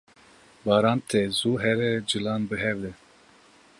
Baran tê zû here cilan bihevde.